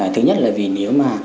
thứ nhất là vì nếu mà